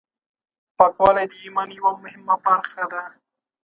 پاکوالی د ایمان یوه مهمه برخه ده.